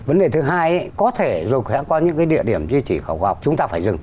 vấn đề thứ hai có thể rồi hẽ qua những địa điểm di trì khảo cổ học chúng ta phải dừng